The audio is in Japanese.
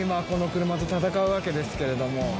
このクルマと戦うわけですけれども。